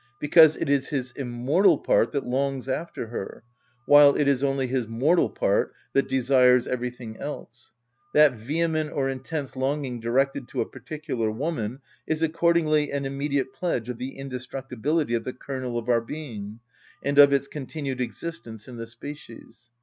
Because it is his immortal part that longs after her; while it is only his mortal part that desires everything else. That vehement or intense longing directed to a particular woman is accordingly an immediate pledge of the indestructibility of the kernel of our being, and of its continued existence in the species.